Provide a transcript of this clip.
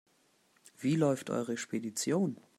Wie läuft eure Spedition?